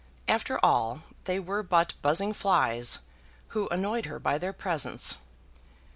After all, they were but buzzing flies, who annoyed her by their presence.